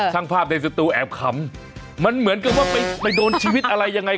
ช่างภาพในสตูแอบขำมันเหมือนกับว่าไปโดนชีวิตอะไรยังไง